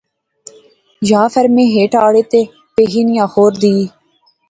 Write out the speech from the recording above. یا فیر میں ہیٹھ آڑے تے پیخی نی آخور دی